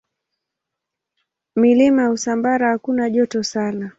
Milima ya Usambara hakuna joto sana.